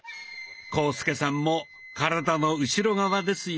浩介さんも体の後ろ側ですよ。